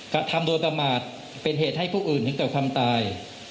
กระทำโดยประมาทเป็นเหตุให้ผู้อื่นถึงแก่ความตาย